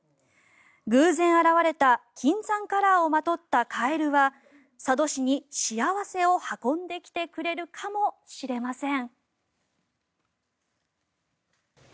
偶然現れた金山カラーをまとったカエルは佐渡市に幸せを運んできてくれるかもしれません。